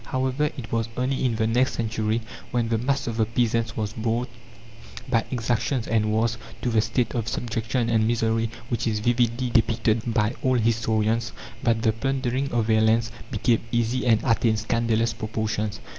However, it was only in the next century, when the mass of the peasants was brought, by exactions and wars, to the state of subjection and misery which is vividly depicted by all historians, that the plundering of their lands became easy and attained scandalous proportions.